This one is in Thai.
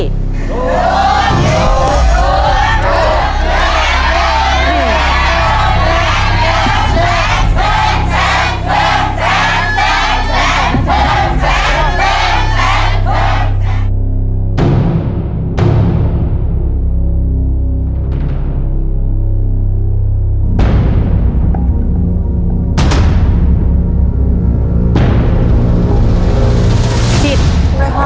รู้อยู่รู้รู้แทนแทนแทน